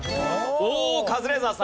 おおカズレーザーさん。